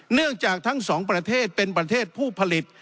เนื่องจากทั้งสองประเทศเป็นประเทศผู้ผลิต